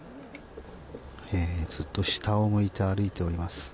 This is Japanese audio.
ずっと下を向いて歩いております。